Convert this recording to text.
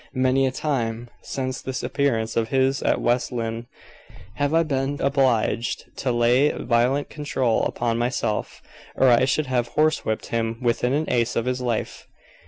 Many a time, since this appearance of his at West Lynne, have I been obliged to lay violent control upon myself, or I should have horsewhipped him within an ace of his life."